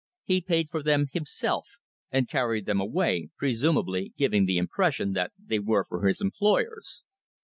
He paid for them himself, and carried them away, presumably giving the impression that they were for his employers.